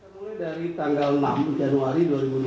mulai dari tanggal enam januari dua ribu dua puluh